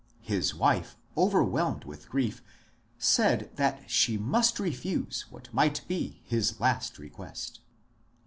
His wife, overwhelmed with grief, said that she must refuse what might be his last request.